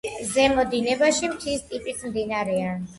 ზემო დინებაში მთის ტიპის მდინარეა.